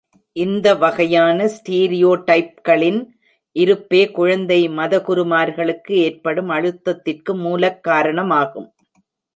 இந்த வகையான ஸ்டீரியோடைப்களின் இருப்பே குழந்தை மதகுருமார்களுக்கு ஏற்படும் அழுத்தத்திற்கு மூலக் காரணமாகும்.